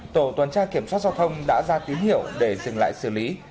tổ tuần tra kiểm soát giao thông đã ra tín hiệu để dừng lại xử lý